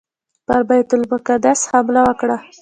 پر بیت المقدس حمله وکړه.